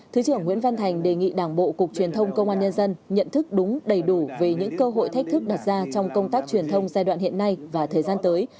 thứ trưởng nguyễn văn thành đề nghị đảng bộ cục truyền thông công an nhân dân nhận thức đúng đầy đủ về những cơ hội thách thức đặt ra trong công tác truyền thông giai đoạn hiện nay và thời gian tới